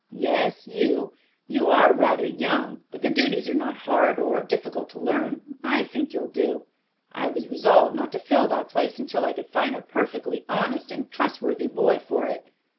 "Yes, you. You are rather young, but the duties are not hard or difficult to learn. I think you'll do. I was resolved not to fill that place until I could find a perfectly honest and trustworthy boy for it.